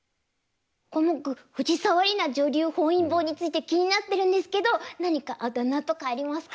コモク藤沢里菜女流本因坊について気になってるんですけど何かあだ名とかありますか？